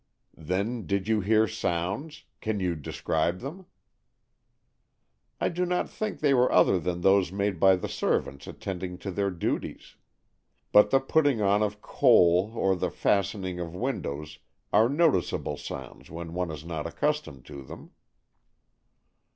"Then you did hear sounds. Can you describe them?" "I do not think they were other than those made by the servants attending to their duties. But the putting on of coal or the fastening of windows are noticeable sounds when one is not accustomed to them."